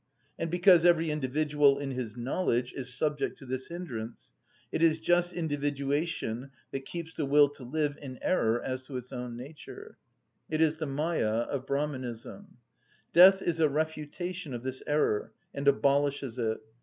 And because every individual, in his knowledge, is subject to this hindrance, it is just individuation that keeps the will to live in error as to its own nature; it is the Mâyâ of Brahmanism. Death is a refutation of this error, and abolishes it.